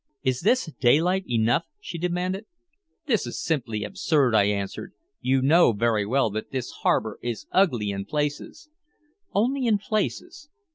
"Is this daylight enough?" she demanded. "This is simply absurd," I answered. "You know very well that this harbor is ugly in places " "Only in places.